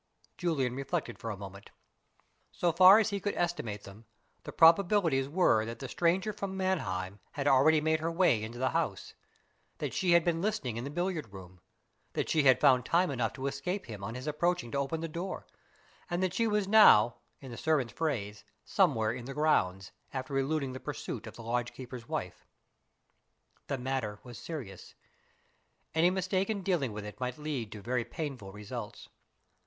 Julian reflected for a moment. So far as he could estimate them, the probabilities were that the stranger from Mannheim had already made her way into the house; that she had been listening in the billiard room; that she had found time enough to escape him on his approaching to open the door; and that she was now (in the servant's phrase) "somewhere in the grounds," after eluding the pursuit of the lodgekeeper's wife. The matter was serious. Any mistake in dealing with it might lead to very painful results.